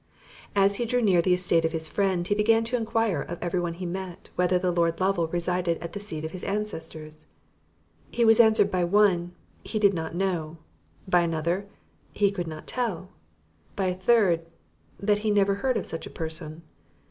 As he drew near the estate of his friend, he began to enquire of every one he met, whether the Lord Lovel resided at the seat of his ancestors? He was answered by one, he did not know; by another, he could not tell; by a third, that he never heard of such a person.